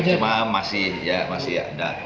cuma masih ya masih ada